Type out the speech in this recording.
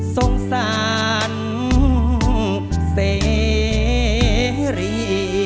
สงสารเสรี